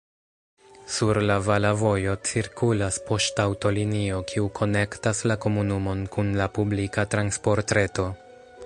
Sur la vala vojo cirkulas poŝtaŭtolinio, kiu konektas la komunumon kun la publika transportreto.